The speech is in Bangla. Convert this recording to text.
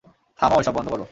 থামাও এসব, বন্ধ করো।